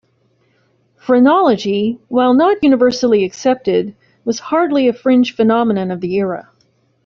Phrenology, while not universally accepted, was hardly a fringe phenomenon of the era.